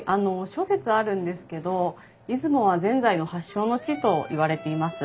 諸説あるんですけど出雲はぜんざいの発祥の地といわれています。